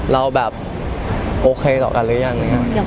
เราแบบโอเคต่อกันหรือยัง